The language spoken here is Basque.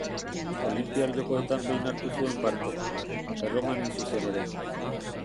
Olinpiar Jokoetan behin hartu zuen parte: Erroman hain zuzen ere.